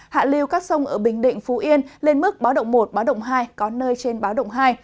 hạ lưu các sông ở bình định phú yên lên mức báo động một báo động hai có nơi trên báo động hai